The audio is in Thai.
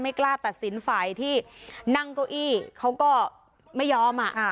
กล้าตัดสินฝ่ายที่นั่งเก้าอี้เขาก็ไม่ยอม